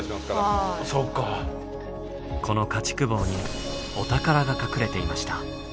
この家畜房にお宝が隠れていました。